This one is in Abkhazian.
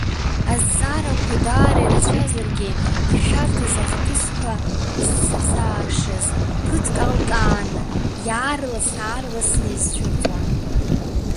Азҵаарақәа даара ирацәазаргьы, ишәарҭаз ахҭысқәа зцызаашаз ԥыҭк алкааны иаарлас-аарласны изцәырҵуан.